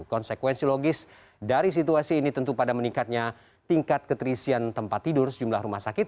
konsekuensi logis dari situasi ini tentu pada meningkatnya tingkat keterisian tempat tidur sejumlah rumah sakit